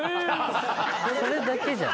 それだけじゃん。